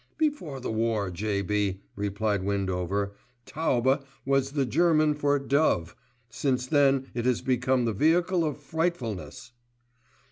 "Before the war, J.B.," replied Windover, "'taube' was the German for 'dove'; since then it has become the vehicle of frightfulness."